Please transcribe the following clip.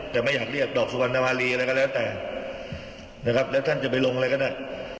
แต่ไม่อยากเรียกดอกสุวรรณภารีอะไรก็แล้วแต่นะครับแล้วท่านจะไปลงอะไรก็ได้